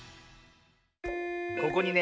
ここにね